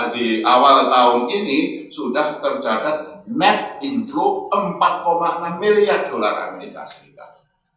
di awal tahun ini sudah tercatat net introke empat enam miliar dolar amerika serikat